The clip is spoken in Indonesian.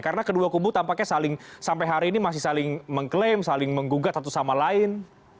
karena kedua kubu tampaknya saling sampai hari ini masih saling mengklaim saling menggugat satu sama lain